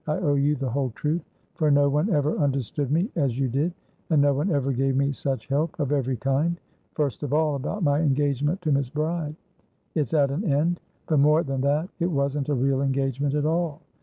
I owe you the whole truth, for no one ever understood me as you did, and no one ever gave me such helpof every kind. First of all, about my engagement to Miss Bride. It's at an end. But more than that it wasn't a real engagement at all.